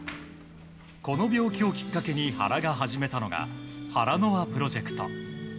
この病気をきっかけに原が始めたのがハラの輪プロジェクト。